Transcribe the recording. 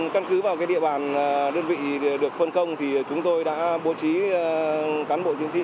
căn cứ vào địa bàn đơn vị được phân công thì chúng tôi đã bố trí cán bộ chiến sĩ